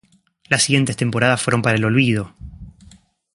Las siguientes temporadas fueron para el olvido.